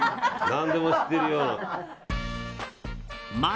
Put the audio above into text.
何でも知ってるような。